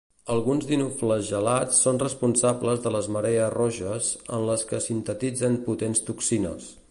Alguns dinoflagel·lats són responsables de les marees roges, en les que sintetitzen potents toxines.